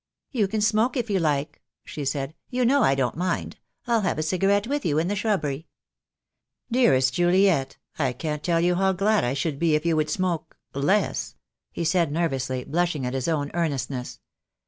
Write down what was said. "You can smoke if you like," she said. "You know I don't mind. I'll have a cigarette with you in the shrubbery." "Dearest Juliet, I can't tell you how glad I should be if you would smoke — less," he said nervously, blush ing at his own earnestness.